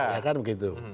ya kan begitu